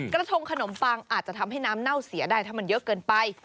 กระทงขนมปังอาจจะทำให้น้ำเน่าเสียได้ถ้ามันเยอะเกินไป